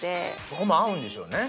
そこも合うんでしょうね。